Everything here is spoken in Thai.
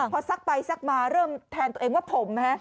พอซักไปซักมาเริ่มแทนตัวเองว่าผมนะฮะ